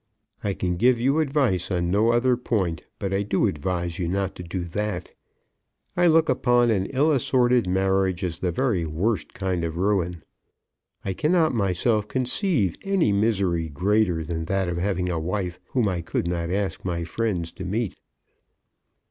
I can give you advice on no other point; but I do advise you not to do that. I look upon an ill assorted marriage as the very worst kind of ruin. I cannot myself conceive any misery greater than that of having a wife whom I could not ask my friends to meet."